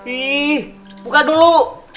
ihh buka dulu